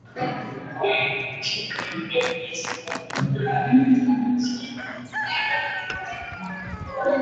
এই লোকসভা কেন্দ্রের সদর দফতর ভাগলপুর শহরে অবস্থিত।